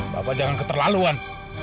bapak jangan keterlaluan